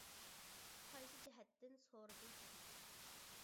— قايسى جەھەتتىن؟ — سورىدى خەدىچە.